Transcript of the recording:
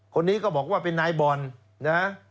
คนนี้ก็บอกว่าเป็นนายบอลนะ